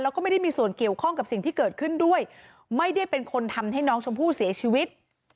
แล้วก็ไม่ได้มีส่วนเกี่ยวข้องกับสิ่งที่เกิดขึ้นด้วยไม่ได้เป็นคนทำให้น้องชมพู่เสียชีวิต